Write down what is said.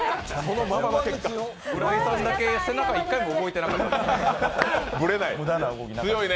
浦井さんだけ背中１回も動いてなかったもんね。